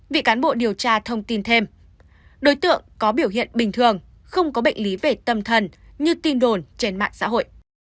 bị cán bộ điều tra thông tin thêm đối tượng có biểu hiện bình thường không có bệnh lý về tâm thần như tin đồn trên mạng xã hội